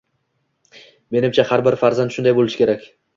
Menimcha har bir farzand shunday bo‘lishi kerak.